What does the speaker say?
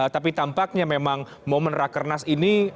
tapi tampaknya memang momen rakernas ini